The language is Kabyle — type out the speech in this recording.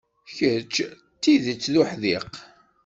Kečč d tidet d uḥdiq.